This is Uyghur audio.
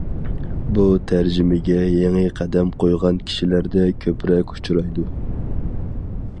بۇ تەرجىمىگە يېڭى قەدەم قويغان كىشىلەردە كۆپرەك ئۇچرايدۇ.